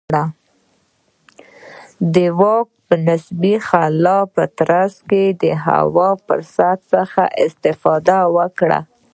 د واک د نسبي خلا په ترڅ کې هوا فرصت څخه استفاده وکړه.